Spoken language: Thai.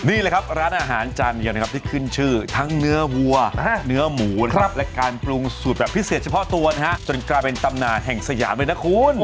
นี่แหละครับร้านอาหารจานเดียวนะครับที่ขึ้นชื่อทั้งเนื้อวัวเนื้อหมูนะครับและการปรุงสูตรแบบพิเศษเฉพาะตัวนะฮะจนกลายเป็นตำนานแห่งสยามเลยนะคุณ